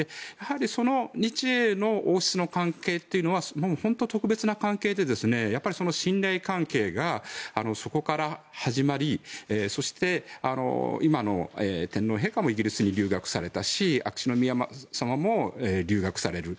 その日英の王室の関係というのは本当に特別な関係で信頼関係がそこから始まりそして、今の天皇陛下もイギリスに留学されたし秋篠宮さまも留学される。